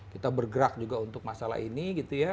kita bergerak juga untuk masalah ini gitu ya